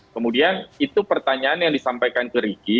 kemudian itu pertanyaan yang disampaikan ke ricky